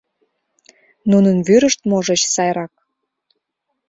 Нунын вӱрышт, можыч, сайрак...